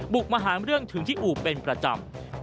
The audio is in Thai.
มาหาเรื่องถึงที่อู่เป็นประจำ